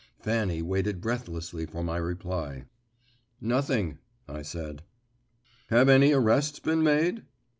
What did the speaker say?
Fanny waited breathlessly for my reply. "Nothing," I said. "Have any arrests been made?"